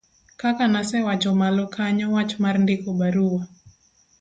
kaka nasewacho malo kanyo wach mar ndiko barua